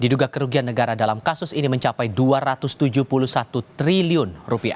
diduga kerugian negara dalam kasus ini mencapai rp dua ratus tujuh puluh satu triliun